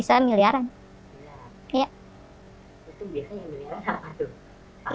kayak itu biasanya miliaran apa tuh